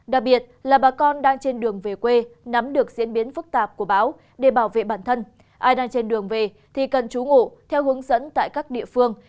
đặc biệt là bà con đang trên đường về quê nắm được diễn biến phức tạp của báo để bảo vệ bản thân ai đang trên đường về thì cần trú ngủ theo hướng dẫn tại các địa phương